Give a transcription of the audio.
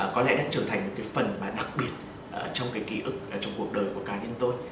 có lẽ đã trở thành một phần đặc biệt trong ký ức trong cuộc đời của cá nhân tôi